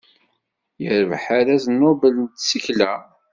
Yerbeḥ arraz Nobel n tsekla.